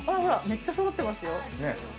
めっちゃ揃ってますよ。